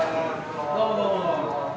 どうもどうも。